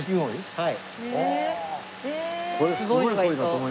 はい。